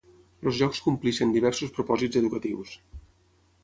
Els jocs compleixen diversos propòsits educatius.